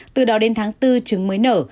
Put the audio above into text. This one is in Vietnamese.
từ đó đến tháng bốn trứng mới nở